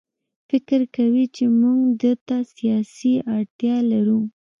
فکر کوي چې موږ ده ته سیاسي اړتیا لرو.